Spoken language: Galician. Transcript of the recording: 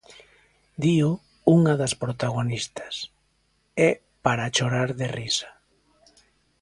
Dío unha das protagonistas: "É para chorar de risa".